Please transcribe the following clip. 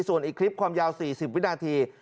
ส่วนอีกคลิปความยาว๔๐วินาที